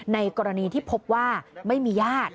ในกรณีที่พบว่าไม่มีญาติ